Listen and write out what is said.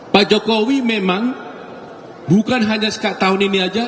pak jokowi memang bukan hanya tahun ini saja